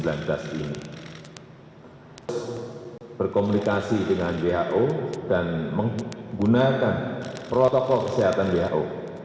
kami juga telah berkomunikasi dengan who dan menggunakan protokol kesehatan who